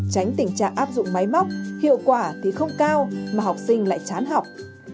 tránh tình trạng áp dụng máy móc hiệu quả thì không cao mà học sinh lại chán học